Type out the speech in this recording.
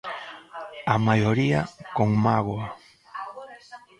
A maioría con mágoa.